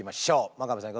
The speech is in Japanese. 真壁さん